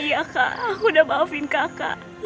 iya kak aku udah maafin kakak